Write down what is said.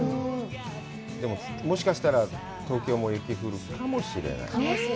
でも、もしかしたら東京も雪が降るかもしれない。ね？